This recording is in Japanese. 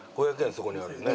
そこにあるよね。